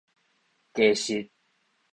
雞翼